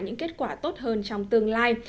những kết quả tốt hơn trong tương lai